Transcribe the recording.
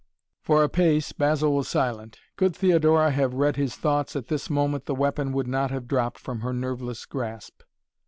For a pace Basil was silent. Could Theodora have read his thoughts at this moment the weapon would not have dropped from her nerveless grasp.